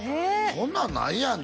そんなんないやん